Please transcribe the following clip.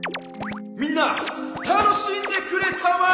みんな楽しんでくれたまえ！